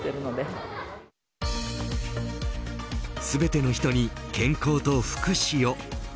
全ての人に健康と福祉を。